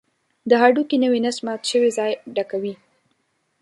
د هډوکي نوی نسج مات شوی ځای ډکوي.